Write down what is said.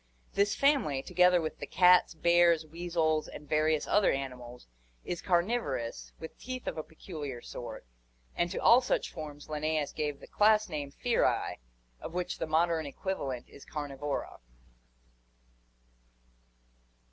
This family, together with the cats, bears, weasels, and various other animals, is carniv orous, with teeth of a peculiar sort, and to all such forms Linnaeus gave the class name Ferae, of which the modern equivalent is Carnivora.